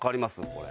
これ。